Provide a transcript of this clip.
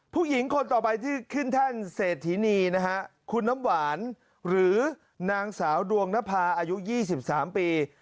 ผู้หญิงคนต่อไปที่ขึ้นท่านเศรษฐินีนะฮะคุณน้ำหวานหรือนางสาวดวงนภาอายุ๒๓ปี